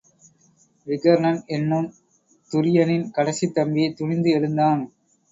விகர்ணன் என்னும் துரியனின் கடைசித்தம்பி துணிந்து எழுந்தான்.